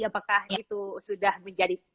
apakah itu sudah menjadi